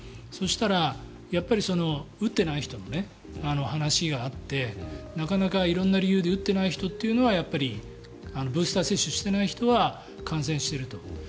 そしたら、やっぱり打ってない人の話があってなかなか色んな理由で打ってない人というのはブースター接種していない人は感染していると。